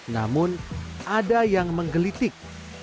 namun ada yang menggelitik